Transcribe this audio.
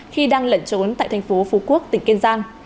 khi đang lẩn trốn tại thành phố phú quốc tỉnh kiên giang